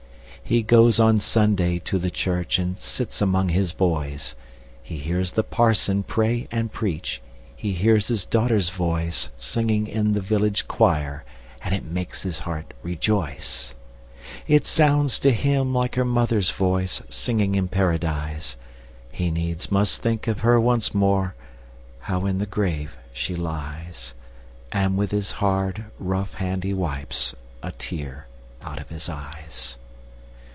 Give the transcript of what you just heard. He goes on Sunday to the church, And sits among his boys; He hears the parson pray and preach, He hears his daughter's voice, Singing in the village choir, And it makes his heart rejoice. It sounds to him like her mother's voice, Singing in Paradise! He needs must think of her once more How in the grave she lies; And with his hard, rough hand he wipes A tear out of his eyes.